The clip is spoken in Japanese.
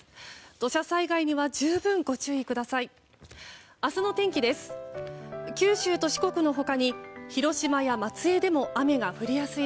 土砂災害には十分ご注意ください。